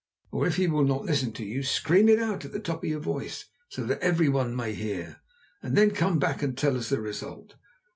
Or, if he will not listen to you, scream it out at the top of your voice so that everyone may hear, and then come back and tell us the result.